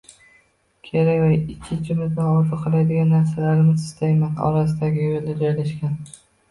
Kerak” va ich-ichimizdan orzu qiladigan narsalarimiz “Istayman” orasidagi yo‘lda joylashgan